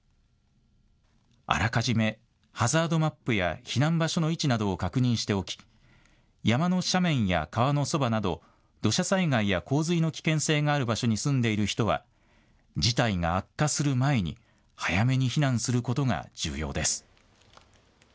あらかじめハザードマップや避難場所の位置などを確認しておき山の斜面や川のそばなど土砂災害や洪水の危険性がある場所に住んでいる人は事態が悪化する前に早めに避難することが重要です。